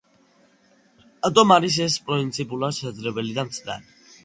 რატომ არის ეს პრინციპულად შეუძლებელი და მცდარი?